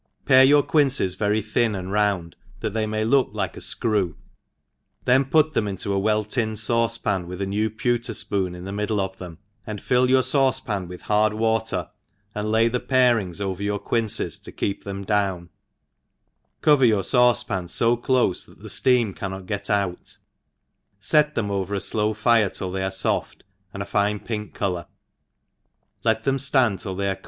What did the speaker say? PARE' your* quinces very thjn and rounds tlTaf they may look like ;a fcre\y, then put them into a well tihned faucepan, with a new pewter fpoon in the middle of thcm^ and fill your faucc * pan with hard water, and lay the parings over your quinces, to keep them down ; cover your faucepaa fo clofe that the fleam cannot get oat ^ fct them over a flow fire till they are foft, and a fine pink colour, let them ftand till they are.